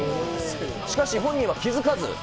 しかし本人は気付かず。